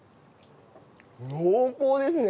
濃厚ですね！